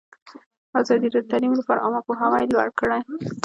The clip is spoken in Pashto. ازادي راډیو د تعلیم لپاره عامه پوهاوي لوړ کړی.